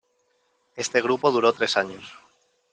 Este grupo duró tres años.